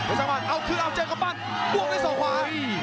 เอาถึงเอาเจอกับบ้านปวงได้๒ฝ่าย